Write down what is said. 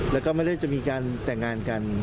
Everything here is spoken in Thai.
แล้วก็ไม่ได้จะมีการแต่งงานกัน